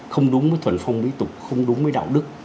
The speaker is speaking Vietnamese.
không đúng với thuần phong mỹ tục không đúng với đạo đức